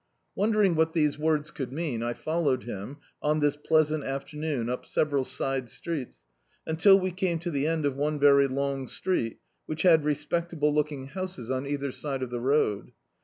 Wondering what these words could mean, I followed him, on this pleasant afternoon, up several side streets, un til we came to the end of one very long street, which had respectable looking houses on either side of the road.